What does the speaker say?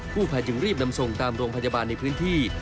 ภายจึงรีบนำส่งตามโรงพยาบาลในพื้นที่